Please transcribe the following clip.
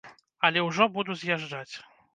Але ўжо буду з'язджаць.